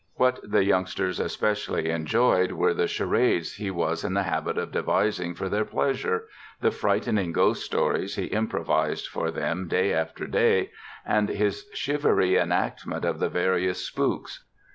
What the youngsters especially enjoyed were the charades he was in the habit of devising for their pleasure, the frightening ghost stories he improvised for them day after day and his shivery enactment of the various spooks.